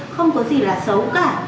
không có gì là xấu cả